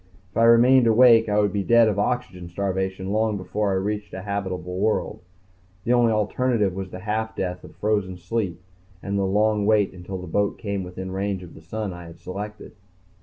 If I remained awake I would be dead of oxygen starvation long before I reached a habitable world. The only alternative was the half death of frozen sleep and the long wait until the boat came within range of the sun I had selected.